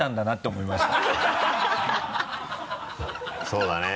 そうだね。